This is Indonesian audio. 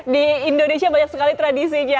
di indonesia banyak sekali tradisinya